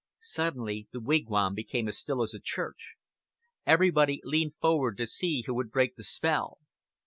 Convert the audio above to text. Suddenly the Wigwam became as still as a church. Everybody leaned forward to see who would break the spell.